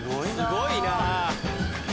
すごいな。